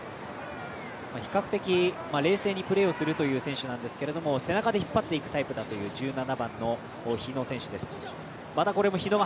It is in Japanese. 比較的、冷静にプレーをするという選手なんですけれども背中で引っ張っていくタイプだという１７番の日野選手です。